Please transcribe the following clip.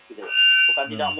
bukan tidak mungkin